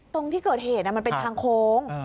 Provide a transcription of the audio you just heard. ตรงที่เกิดเหตุมันเป็นทางโค้ง